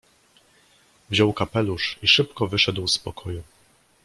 "Wziął kapelusz i szybko wyszedł z pokoju."